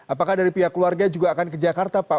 apakah dari pihak keluarga juga akan ke jakarta pak